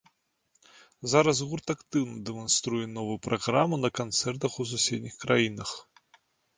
Зараз гурт актыўна дэманструе новую праграму на канцэртах у суседніх краінах.